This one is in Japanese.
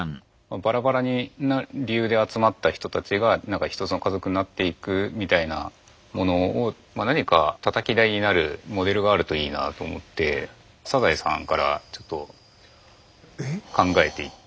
バラバラな理由で集まった人たちが何か一つの家族になっていくみたいなものをまあ何かたたき台になるモデルがあるといいなと思って「サザエさん」からちょっと考えていって。